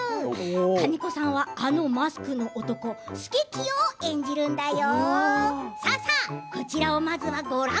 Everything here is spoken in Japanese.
金子さんは、あのマスクの男佐清を演じるんだよ。